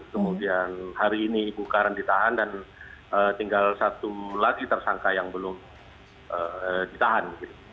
kemudian hari ini ibu karen ditahan dan tinggal satu lagi tersangka yang belum ditahan